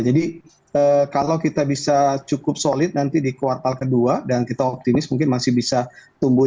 jadi kalau kita bisa cukup solid nanti di kuartal kedua dan kita optimis mungkin masih bisa tumbuh